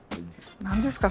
何ですか？